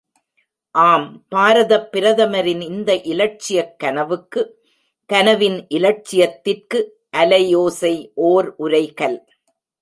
ஆம் பாரதப்பிரதமரின் இந்த இலட்சியக் கனவுக்கு கனவின் இலட்சியத்திற்கு அலைஓசை ஓர் உரைகல்!